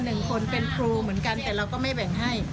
หนึ่งคนเป็นครูเหมือนกันแต่เราก็ไม่แบ่งให้